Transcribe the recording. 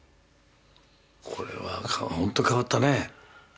これはほんと変わったね。